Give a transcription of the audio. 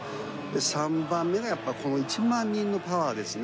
３番目がやっぱこの１万人のパワーですね。